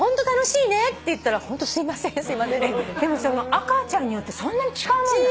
赤ちゃんによってそんなに違うもんなの？